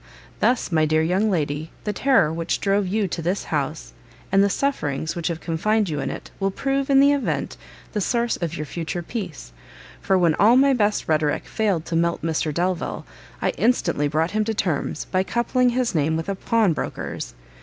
"Thus, my dear young lady, the terror which drove you to this house, and the sufferings which have confined you in it, will prove, in the event, the source of your future peace: for when all my best rhetorick failed to melt Mr Delvile, I instantly brought him to terms by coupling his name with a pawnbroker's!